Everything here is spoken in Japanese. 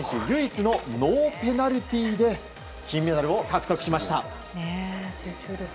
唯一のノーペナルティーで金メダルを獲得しました。